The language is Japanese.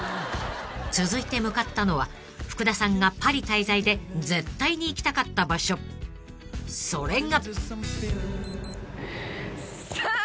［続いて向かったのは福田さんがパリ滞在で絶対に行きたかった場所それが］さあ！